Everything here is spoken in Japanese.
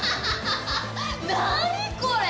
何これ！？